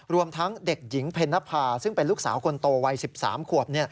รวมทั้งเด็กหญิงเพ็ญนภาซึ่งเป็นลูกสาวคนโตวัย๑๓ขวบ